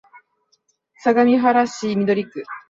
相模原市緑区